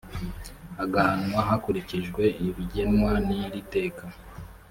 agahanwa hakurikijwe ibiteganywa n n iri teka